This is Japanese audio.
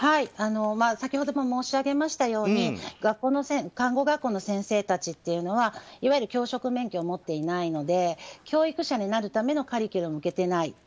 先ほども申し上げましたように看護学校の先生たちというのはいわゆる教職免許を持っていないので教育者になるためのカリキュラムを受けていない。